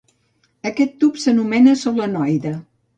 Aquest tub s'anomena "solenoide".